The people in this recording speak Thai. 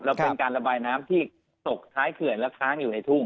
เป็นการระบายน้ำที่ตกท้ายเขื่อนและค้างอยู่ในทุ่ง